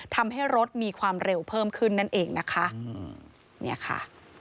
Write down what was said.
ทำให้รถมีความเร็วเพิ่มขึ้นนั่นเองนะคะ